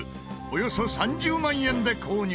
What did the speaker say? およそ３０万円で購入。